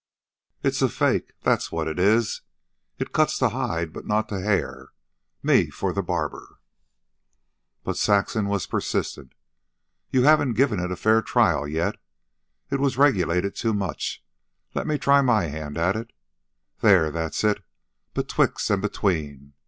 "It's a fake, that's what it is. It cuts the hide, but not the hair. Me for the barber." But Saxon was persistent. "You haven't given it a fair trial yet. It was regulated too much. Let me try my hand at it. There, that's it, betwixt and between.